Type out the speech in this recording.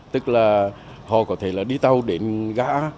tức là họ có thể là đi tàu đến ga